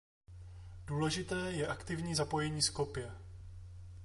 Důležité je aktivní zapojení Skopje.